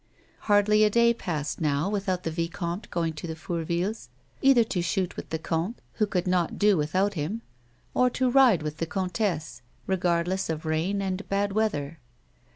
Hardly a day passed now without the vicomte going to the Fourvilles, either to shoot with the comte, who could not do without him, or to ride with the comtesse regardless of rain and bad weather.